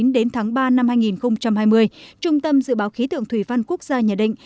đến tháng ba năm hai nghìn hai mươi trung tâm dự báo khí tượng thủy văn quốc gia nhận định